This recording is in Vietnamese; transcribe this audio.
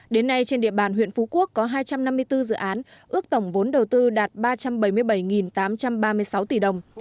đến nay trên địa bàn huyện phú quốc có hai trăm năm mươi bốn dự án ước tổng vốn đầu tư đạt ba trăm bảy mươi bảy tám trăm ba mươi sáu tỷ đồng